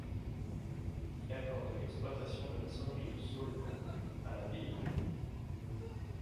Il accorde l'exploitation de la saunerie de Saulnot à l'abbaye de Lure.